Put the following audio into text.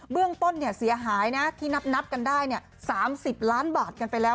เรื่องต้นเสียหายนะที่นับกันได้๓๐ล้านบาทกันไปแล้ว